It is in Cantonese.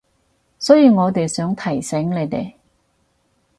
所以我哋想提醒你哋